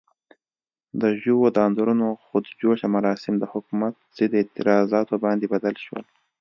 د ژو د انځورونو خود جوشه مراسم د حکومت ضد اعتراضاتو باندې بدل شول.